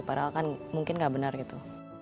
padahal kan mungkin nggak benar gitu